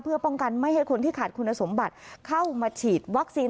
เพื่อป้องกันไม่ให้คนที่ขาดคุณสมบัติเข้ามาฉีดวัคซีน